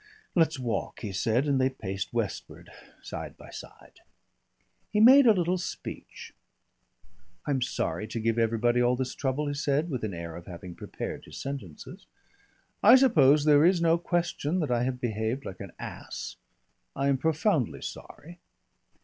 "Let's walk," he said, and they paced westward, side by side. He made a little speech. "I'm sorry to give everybody all this trouble," he said with an air of having prepared his sentences; "I suppose there is no question that I have behaved like an ass. I am profoundly sorry.